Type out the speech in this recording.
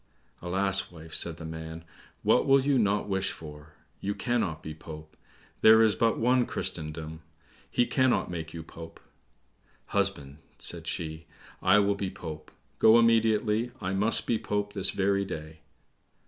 "Alas, wife," said the man, "what will you not wish for? You cannot be Pope. There is but one in Christendom. He cannot make you Pope." "Husband," said she, "I will be Pope; go immediately, I must be Pope this very day."